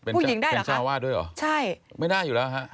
เป็นเจ้าว่าด้วยเหรอใช่